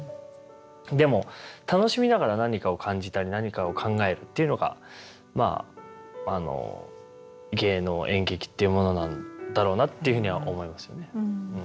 でも楽しみながら何かを感じたり何かを考えるっていうのが芸能演劇っていうものなんだろうなっていうふうには思いますよね。